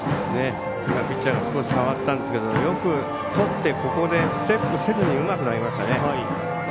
今、ピッチャーが少し触ったんですがよく、とってここでステップせずにうまく投げましたね。